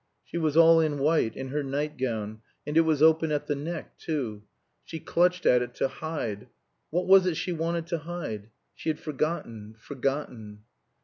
She was all in white, in her night gown, and it was open at the neck too. She clutched at it to hide what was it she wanted to hide? She had forgotten forgotten.